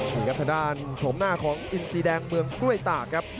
นี่ครับทางด้านโฉมหน้าของอินซีแดงเมืองกล้วยตากครับ